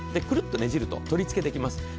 クルッとねじると取り付けできます。